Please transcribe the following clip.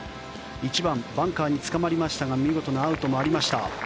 １番バンカーにつかまりましたが見事なアウトもありました。